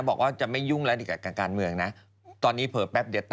ทำไมเธอไปพูดอย่างนั้นเนี่ย